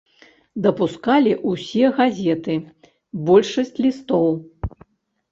Дапускалі ўсе газеты, большасць лістоў.